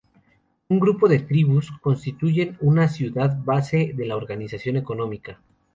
Un grupo de "tribus" constituyen una "ciudad", base de la organización económica.